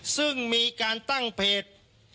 ซึ่งมีการตั้งเพจ